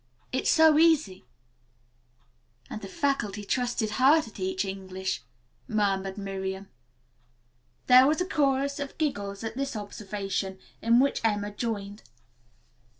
It's so easy." "And the faculty trusted her to teach English," murmured Miriam. There was a chorus of giggles at this observation, in which even Emma joined.